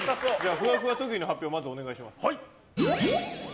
ふわふわ特技の発表をまずお願いします。